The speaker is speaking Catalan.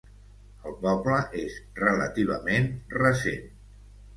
El poble és relativament recent.